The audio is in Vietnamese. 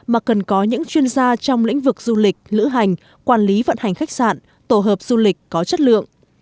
mà cần có những chuyên gia trong lĩnh vực du lịch lữ hành quản lý vận hành khách sạn tổ hợp du lịch có chất lượng